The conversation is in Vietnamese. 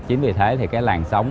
chính vì thế thì cái làn sóng